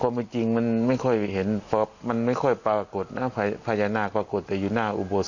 ไม่จริงมันไม่ค่อยเห็นมันไม่ค่อยปรากฏนะพญานาคปรากฏแต่อยู่หน้าอุโบสถ